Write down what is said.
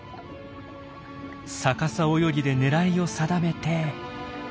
逆さ泳ぎで狙いを定めて。